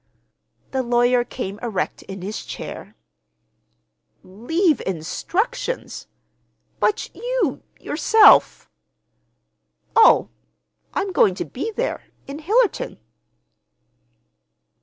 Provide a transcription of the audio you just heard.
The lawyer came erect in his chair. "Leave instructions! But you, yourself—?" "Oh, I'm going to be there, in Hillerton."